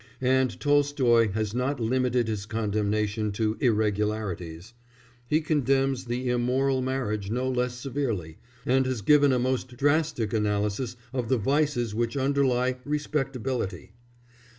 And Tolstoy has not limited his condemnation to "irregularities"; he condemns the immoral marriage no less severely, and has given a most drastic analysis of the vices which underlie "respectability."